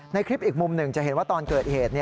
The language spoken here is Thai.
ในคลิปอีกมุมหนึ่งจะเห็นว่าตอนเกิดเหตุ